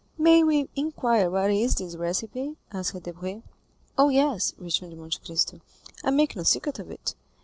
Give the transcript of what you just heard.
"May we inquire what is this recipe?" asked Debray. "Oh, yes," returned Monte Cristo; "I make no secret of it.